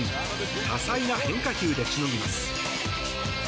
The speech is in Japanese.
多彩な変化球でしのぎます。